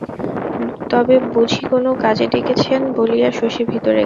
তবে বুঝি কোনো কাজে ডেকেছেন, বলিয়া শশী ভিতরে গেল।